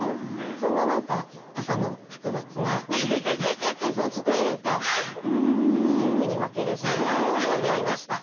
そんな何か朝の複雑な気持ちというか欲に負ける瞬間を詠んでみました。